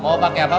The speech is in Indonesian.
mau pake apa pak